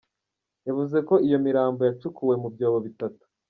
Yavuze ko iyo mirambo yacukuwe mu byobo bitatu.